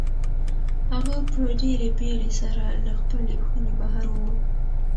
هغه په ډېرې بېړۍ سره له خپلې خونې بهر ووت.